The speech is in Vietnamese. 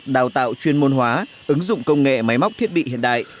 đào tạo chuyên môn hóa ứng dụng công nghệ máy móc thiết bị hiện đại